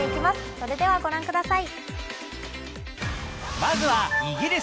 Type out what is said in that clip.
それでは、ご覧ください。